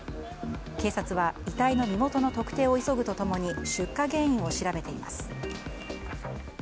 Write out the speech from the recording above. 警察は遺体の身元の特定を急ぐと共に出火原因を調べています。